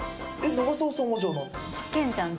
長澤さんはじゃあなんて？